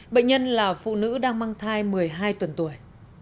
bệnh nhân là phụ nữ đang mang thai một mươi hai tuần tuổi